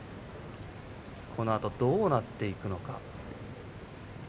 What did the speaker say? このあとどうなっていくのか。